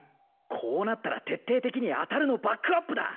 こうなったら徹底的にあたるのバックアップだ。